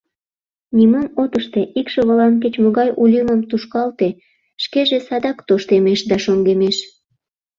Нимом от ыште, икшывылан кеч-могай у лӱмым тушкалте, шкеже садак тоштемеш да шоҥгемеш.